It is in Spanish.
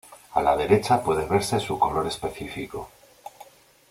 A la derecha puede verse su color específico.